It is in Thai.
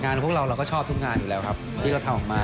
พวกเราเราก็ชอบทุกงานอยู่แล้วครับที่เราทำออกมา